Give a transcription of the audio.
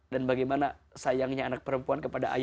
dan bagaimana sayangnya anak perempuan kepada ayahnya